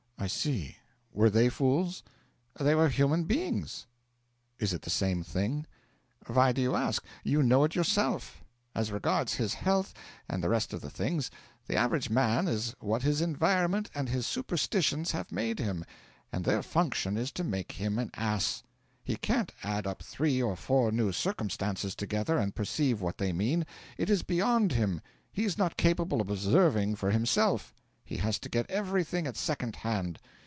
'I see. Were they fools?' 'They were human beings.' 'Is it the same thing?' 'Why do you ask? You know it yourself. As regards his health and the rest of the things the average man is what his environment and his superstitions have made him; and their function is to make him an ass. He can't add up three or four new circumstances together and perceive what they mean; it is beyond him. He is not capable of observing for himself; he has to get everything at second hand.